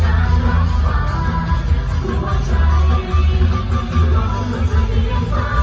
เอาใจกับใจอย่างนี้ไว้ก่อนและกินดี